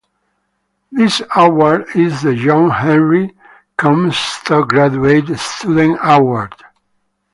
This award is the John Henry Comstock Graduate Student Award.